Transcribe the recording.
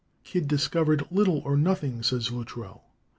"Kidd discovered little or nothing," says Luttrell.